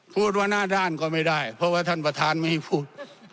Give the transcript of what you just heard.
พูดว่าหน้าด้านก็ไม่ได้เพราะว่าท่านประธานไม่ให้พูด